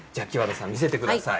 見せてください。